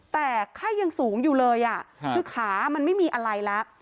แต่ไข้ยังสูงอยู่เลยคือขามันไม่มีอะไรแล้ว